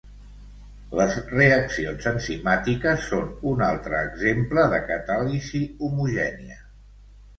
Les reaccions enzimàtiques són un altre exemple de catàlisi homogènia.